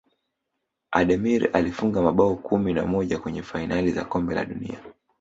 ademir alifunga mabao kumi na moja kwenye fainali za kombe la dunia